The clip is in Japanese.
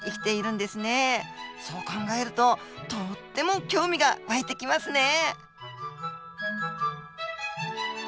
そう考えるととっても興味が湧いてきますね。